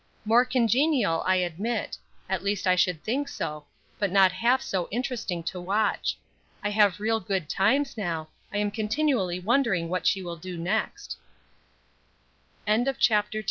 "More congenial, I admit; at least I should think so; but not half so interesting to watch. I have real good times now. I am continually wondering what she will do next." CHAPTER XI.